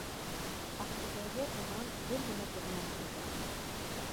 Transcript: Аҡтүбәгә бынан бер генә берләм юл бара